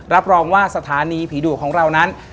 รับรองว่าสถานีผีดุของเรานั้น